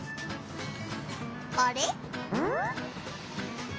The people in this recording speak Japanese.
あれ？